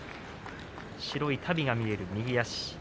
白い足袋が見える右足。